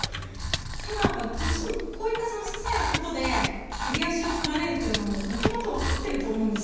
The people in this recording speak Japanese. ただ、どうしてもこういったささいなことで揚げ足を取られるのもわかっていることだと思うんですよ。